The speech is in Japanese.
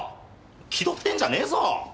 気取ってんじゃねえぞ！